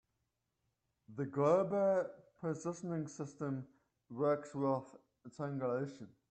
The global positioning system works with triangulation.